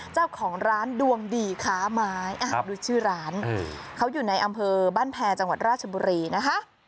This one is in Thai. เจ้าของร้านดวงดีค้าไม้ดูชื่อร้านเขาอยู่ในอำเภอบ้านแพรจังหวัดราชบุรีนะคะ